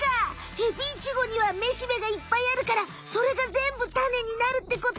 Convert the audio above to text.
ヘビイチゴにはめしべがいっぱいあるからそれがぜんぶタネになるってこと？